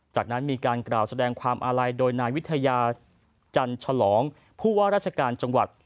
จากนั้นมีการกล่าวแสดงความอาลัยโดยนายวิทยาจันฉลองผู้ว่าราชการจังหวัด